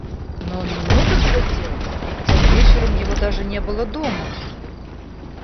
Но он не мог этого сделать, ведь тем вечером его даже не было дома!